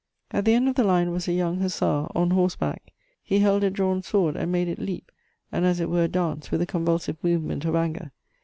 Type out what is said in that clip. At the end of the line was a young hussar, on horse back; he held a drawn sword, and made it leap and as it were dance with a convulsive movement of anger.